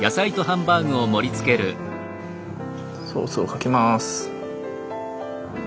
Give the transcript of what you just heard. ソースをかけます。